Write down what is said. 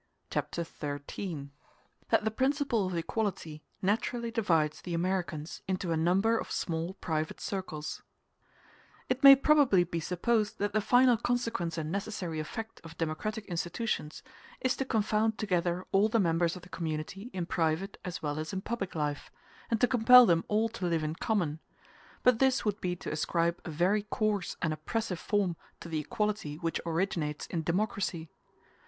Chapter XIII: That The Principle Of Equality Naturally Divides The Americans Into A Number Of Small Private Circles It may probably be supposed that the final consequence and necessary effect of democratic institutions is to confound together all the members of the community in private as well as in public life, and to compel them all to live in common; but this would be to ascribe a very coarse and oppressive form to the equality which originates in democracy.